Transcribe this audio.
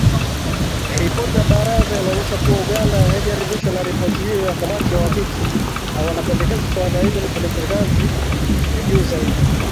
Ripoti ya Baraza inaonyesha kuwa Uganda haijaridhishwa na ripoti hiyo ya " kamati ya uhakiki “ na wanapendelea suala hilo lipelekwe ngazi ya juu zaidi